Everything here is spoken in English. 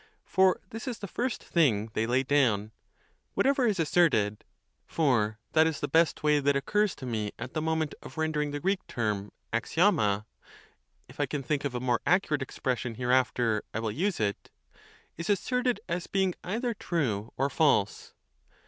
For this is the first thing they lay down, Whatever is asserted (for that is the best way that occurs to me, at the moment, of rendering the Greek term déiwua; if I can think of a more accurate expression hereafter, I will use it),is asserted as being ei ther true or false.